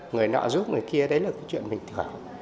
người nọ giúp người kia đấy là cái chuyện bình thường